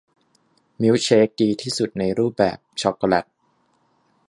มิลค์เชคดีที่สุดในรูปแบบช็อกโกแลต